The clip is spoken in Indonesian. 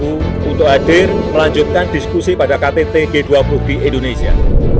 untuk hadir melanjutkan diskusi pada ktt g dua puluh di indonesia